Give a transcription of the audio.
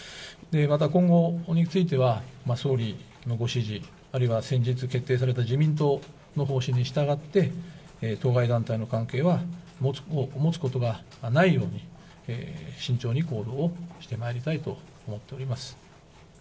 また今後については、総理のご指示、あるいは先日決定された自民党の方針に従って、当該団体の関係は持つことがないように、慎重に行動をしてまいりたいと思っております。